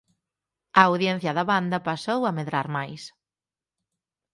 A audiencia da banda pasou a medrar máis.